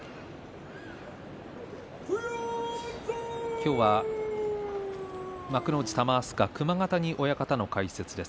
今日は幕内玉飛鳥熊ヶ谷親方の解説です。